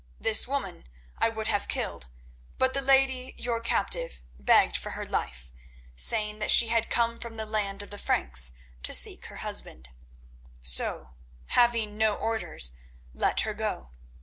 This woman I would have killed, but the lady your captive begged for her life, saying she had come from the land of the Franks to seek her husband; so, having no orders, let her go.